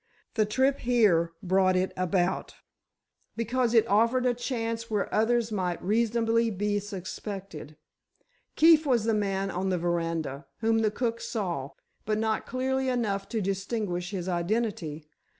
The trip here brought it about, because it offered a chance where others might reasonably be suspected. Keefe was the man on the veranda, whom the cook saw—but not clearly enough to distinguish his identity.